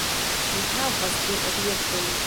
Ni havas du objektojn.